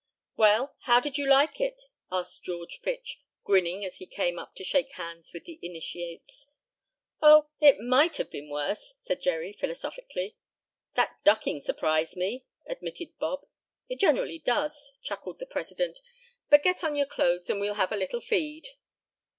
"Well, how did you like it?" asked George Fitch, grinning as he came up to shake hands with the initiates. "Oh, it might have been worse," said Jerry, philosophically. "That ducking surprised me," admitted Bob. "It generally does," chuckled the president. "But get on your clothes, and we'll have a little feed."